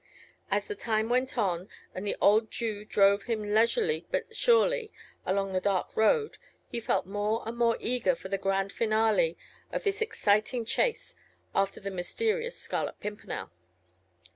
As the time went on, and the old Jew drove him leisurely but surely along the dark road, he felt more and more eager for the grand finale of this exciting chase after the mysterious Scarlet Pimpernel.